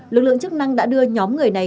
lực lượng chức năng đã đưa nhóm người này